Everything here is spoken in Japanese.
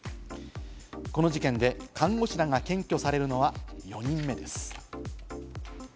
この事件で看護師らが検挙されるのは４人目です。